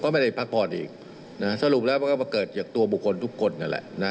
ก็ไม่ได้พักพอดอีกนะสรุปแล้วก็มาเกิดเหยียกตัวบุคคลทุกคนนั่นแหละนะ